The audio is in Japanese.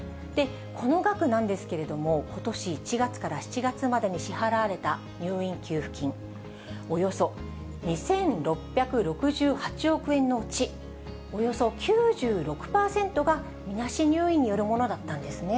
この額なんですけれども、ことし１月から７月までに支払われた入院給付金、およそ２６６８億円のうち、およそ９６％が、みなし入院によるものだったんですね。